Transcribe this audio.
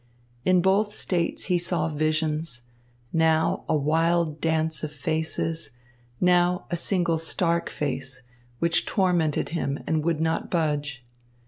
In both states he saw visions, now a wild dance of faces, now a single stark face, which tormented him and would not budge.